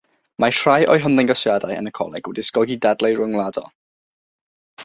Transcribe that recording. Mae rhai o'i hymddangosiadau yn y coleg wedi ysgogi dadlau rhyngwladol.